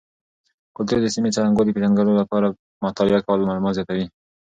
کلتور د سیمې د څرنګوالي پیژندلو لپاره مطالعه کول معلومات زیاتوي.